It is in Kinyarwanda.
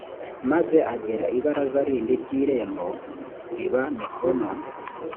maze agera ibaraza rindi ry irembo riba mikono